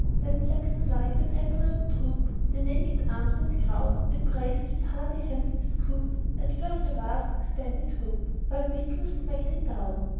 Then sextonlike, the patriot troop, With naked arms and crown, Embraced, with hardy hands, the scoop, And filled the vast expanded hoop, While beetles smacked it down.